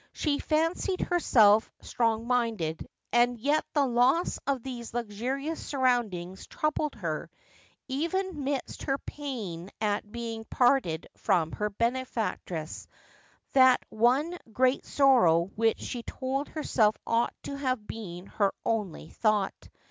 She had fancied herself strongminded, and yet the loss of these luxurious surroundings troubled her, even midst her pain at being parted from her benefactress, that one great sorrow which she told herself ought to have been her only thought.